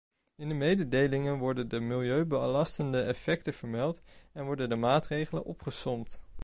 In de mededeling worden de milieubelastende effecten vermeld en worden de maatregelen opgesomd.